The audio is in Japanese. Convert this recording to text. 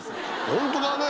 ホントだね！